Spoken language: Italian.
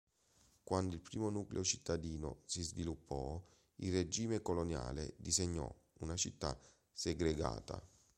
Quando il primo nucleo cittadino si sviluppò, il regime coloniale disegnò una città segregata.